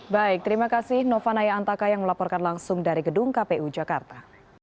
baik terima kasih nova naya antaka yang melaporkan langsung dari gedung kpu jakarta